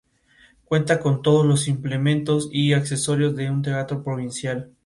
Fue director de la opera de Linz en Austria.